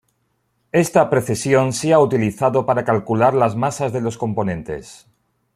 Esta precesión se ha utilizado para calcular las masas de los componentes.